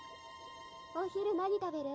お昼何食べる？